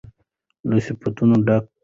له صفتونو ډک